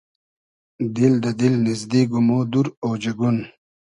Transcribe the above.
دیل دۂ دیل نیزدیگ و مۉ دور اۉجئگون